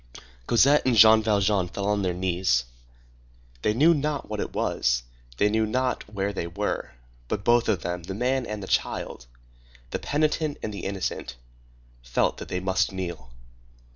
Cosette and Jean Valjean fell on their knees. They knew not what it was, they knew not where they were; but both of them, the man and the child, the penitent and the innocent, felt that they must kneel.